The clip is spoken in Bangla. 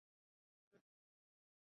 অপরাধী তো তুমি।